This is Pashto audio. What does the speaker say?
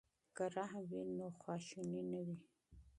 که مهرباني وي نو غوسه نه وي.